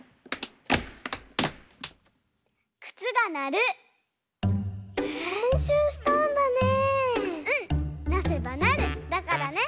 れんしゅうしたんだね。